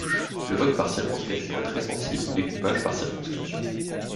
Le vote par circonscription est très sensible au découpage par circonscriptions.